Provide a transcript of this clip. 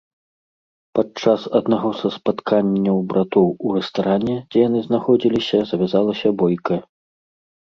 Падчас аднаго са спатканняў братоў у рэстаране, дзе яны знаходзіліся, завязалася бойка.